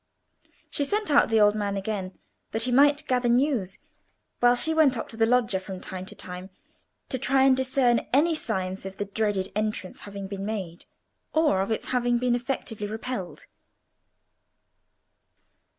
She sent out the old man again, that he might gather news, while she went up to the loggia from time to time to try and discern any signs of the dreaded entrance having been made, or of its having been effectively repelled.